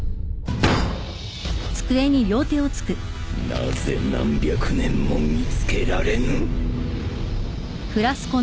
なぜ何百年も見つけられぬ。